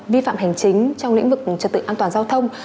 vi phạm hành chính trong lĩnh vực trật tự an toàn giao thông